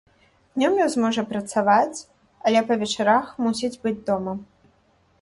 Днём ён зможа працаваць, але па вечарах мусіць быць дома.